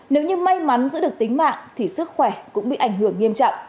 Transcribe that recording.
nếu như may mắn giữ được tính mạng thì sức khỏe cũng bị ảnh hưởng nghiêm trọng